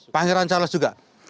pangeran charles juga